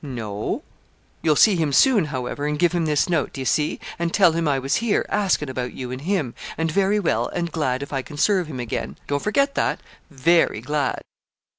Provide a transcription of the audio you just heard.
'No.' 'You'll see him soon, however, and give him this note, d'ye see, and tell him I was here, asking about you and him, and very well, and glad if I can serve him again? don't forget that, very glad.